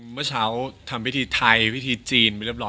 กระทั่งตอนฟิว